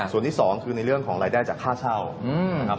ส่วนที่สองคือในเรื่องของรายได้จากค่าเช่านะครับ